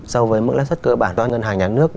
so với mức lãi suất cơ bản do ngân hàng nhà nước